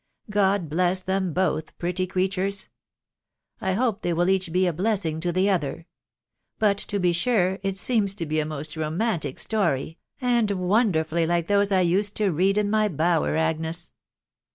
.... God bless them both, pretty creatures !.... I hope they will each be a blessing to the other .... But, to be sure, it seems to be a most romantic story .... and wonderfully like those I used to read in my bower, Agnes."